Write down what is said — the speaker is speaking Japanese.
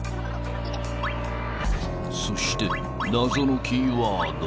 ［そして謎のキーワード